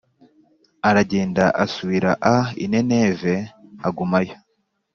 aragenda asubira a i Nineve agumayo